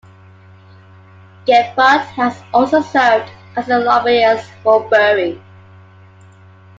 Gephardt has also served as a lobbyist for Boeing.